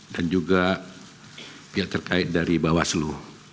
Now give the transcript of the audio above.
dan juga pihak terkait dari bawaslu